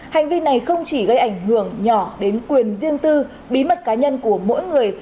hành vi này không chỉ gây ảnh hưởng nhỏ đến quyền riêng tư bí mật cá nhân của mỗi người